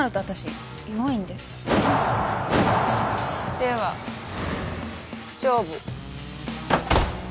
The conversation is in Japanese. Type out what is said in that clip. では勝負。